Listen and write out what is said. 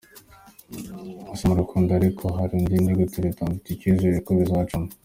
Ati “Sindi mu rukundo ariko hari uwo ndi gutereta, mfite icyizere ko bizacamo.